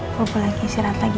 aku mau pulang ke syuranta gia